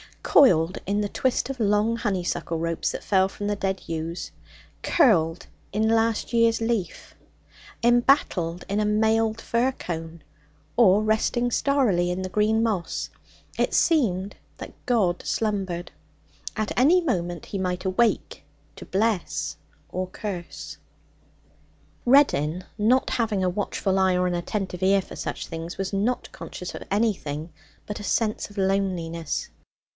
Coiled in the twist of long honeysuckle ropes that fell from the dead yews; curled in a last year's leaf; embattled in a mailed fir cone, or resting starrily in the green moss, it seemed that God slumbered. At any moment He might wake, to bless or curse. Reddin, not having a watchful eye or an attentive ear for such things, was not conscious of anything but a sense of loneliness.